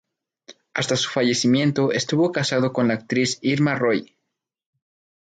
Hasta su fallecimiento estuvo casado con la actriz Irma Roy.